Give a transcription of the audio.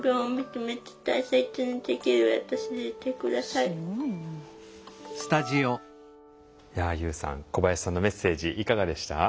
いやＹＯＵさん小林さんのメッセージいかがでした？